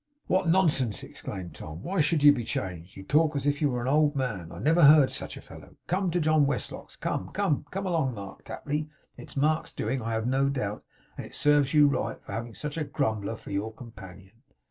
'What nonsense!' exclaimed Tom. 'Why should you be changed? You talk as if you were an old man. I never heard such a fellow! Come to John Westlock's, come. Come along, Mark Tapley. It's Mark's doing, I have no doubt; and it serves you right for having such a grumbler for your companion.